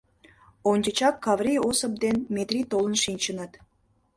Ончычак Каврий Осып ден Метри толын шинчыныт.